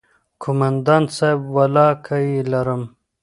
کومندان صايب ولله که يې لرم.